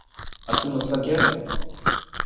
اصل مسئلہ کیا ہے؟